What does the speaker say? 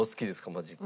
マジック。